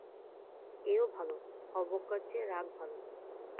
এও ভালো, অবজ্ঞার চেয়ে রাগ ভালো।